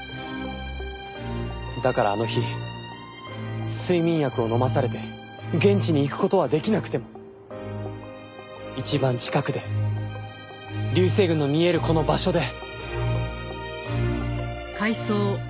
だからあの日睡眠薬を飲まされて現地に行く事はできなくても一番近くで流星群の見えるこの場所で。